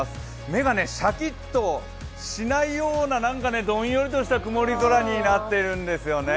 目がシャキッとしないような、なんかどんよりとした曇り空になっているんですよね。